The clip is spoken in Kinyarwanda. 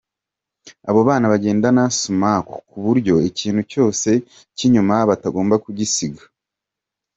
Abo bana bagendana Sumaku ku buryo ikintu cyose cy’icyuma batagomba kugisiga.